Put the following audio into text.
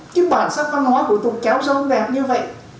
cái bản sắc văn hóa của tục kéo dâu đẹp như vậy